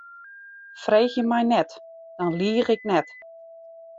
Freegje my net, dan liich ik net.